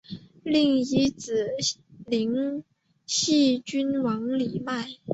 另一子灵溪郡王李咏。